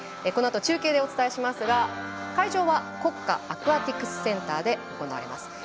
このあと中継でお伝えしますが会場は国家アクアティクスセンターで行われます。